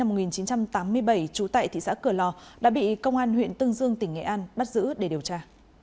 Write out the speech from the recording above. năm một nghìn chín trăm tám mươi bảy trú tại thị xã cửa lò đã bị công an huyện tân dương tỉnh nghệ an bắt giữ để điều tra